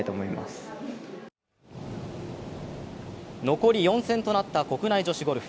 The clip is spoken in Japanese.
残り４戦となった国内女子ゴルフ。